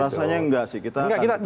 rasanya nggak sih kita akan tetap begini